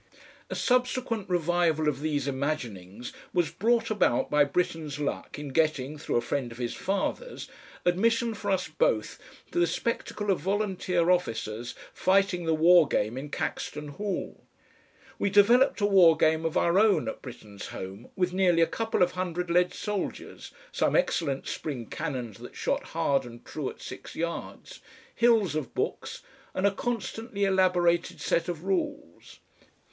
A subsequent revival of these imaginings was brought about by Britten's luck in getting, through a friend of his father's, admission for us both to the spectacle of volunteer officers fighting the war game in Caxton Hall. We developed a war game of our own at Britten's home with nearly a couple of hundred lead soldiers, some excellent spring cannons that shot hard and true at six yards, hills of books and a constantly elaborated set of rules.